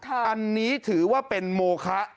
อันนี้ถือว่าเป็นโมคะ